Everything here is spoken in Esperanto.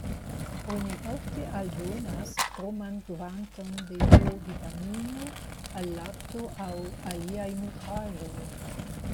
Oni ofte aldonas kroman kvanton de D-vitamino al lakto aŭ aliaj nutraĵoj.